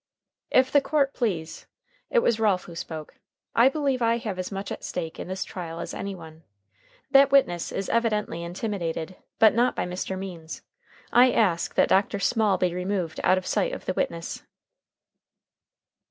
"If the court please" it was Ralph who spoke "I believe I have as much at stake in this trial as any one. That witness is evidently intimidated. But not by Mr. Means. I ask that Dr. Small be removed out of sight of the witness."